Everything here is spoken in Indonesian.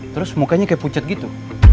terus mukanya kayak pucat gitu